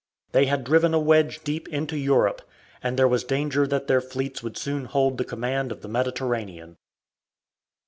They had driven a wedge deep into Europe, and there was danger that their fleets would soon hold the command of the Mediterranean.